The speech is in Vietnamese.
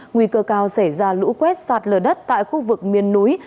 nguy cơ cao xảy ra lũ quét sạt lở đất tại khu vực miền núi